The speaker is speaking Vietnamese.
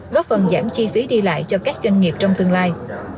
góp phần giảm chi phí đi lại cho các doanh nghiệp trong tương lai